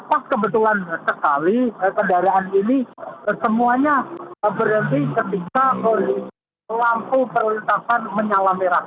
pas kebetulan sekali kendaraan ini semuanya berhenti ketika lampu perlintasan menyala merah